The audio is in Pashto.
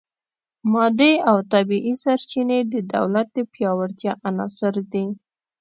مادي او طبیعي سرچینې د دولت د پیاوړتیا عناصر دي